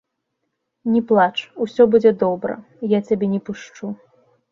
Не плач, усё будзе добра, я цябе не пушчу.